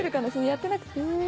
やってなくて。